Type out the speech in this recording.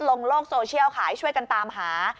ลงโลกโซเชียลขายช่วยกันตามหา